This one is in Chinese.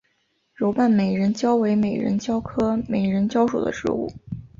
柔瓣美人蕉为美人蕉科美人蕉属的植物。